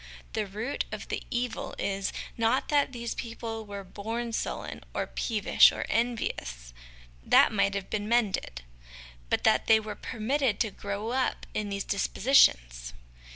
The root of the evil is, not that these people were born sullen, or peevish, or envious that might have been mended; but that they were permitted to grow up in these dispositions.